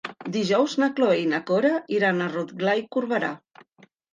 Dijous na Cloè i na Cora iran a Rotglà i Corberà.